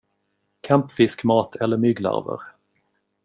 Kampfiskmat eller mygglarver.